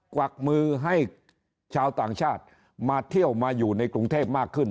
กวักมือให้ชาวต่างชาติมาเที่ยวมาอยู่ในกรุงเทพมากขึ้น